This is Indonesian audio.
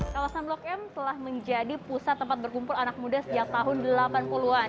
kawasan blok m telah menjadi pusat tempat berkumpul anak muda sejak tahun delapan puluh an